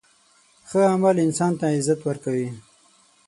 ښه عمل انسان ته عزت ورکوي.